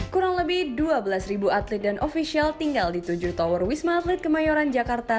kurang lebih dua belas atlet dan ofisial tinggal di tujuh tower wisma atlet kemayoran jakarta